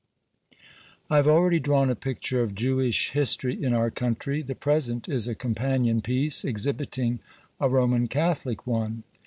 I have already drawn a picture of Jewish history in our country; the present is a companion piece, exhibiting a Roman Catholic one.